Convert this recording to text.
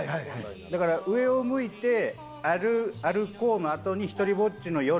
だから「上を向いて歩こう」のあとに「一人ぽっちの夜」。